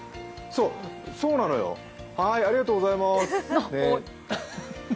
そうなのよ、ありがとうございまーす。